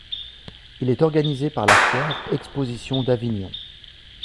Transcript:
Il est organisé par la Foire Exposition d'Avignon.